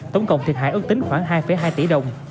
tổng cộng thiệt hại ước tính khoảng hai hai tỷ đồng